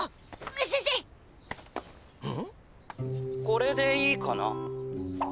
「これでいいかな？」。